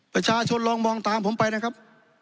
ประชาชนลองมองตามผมไปนะครับ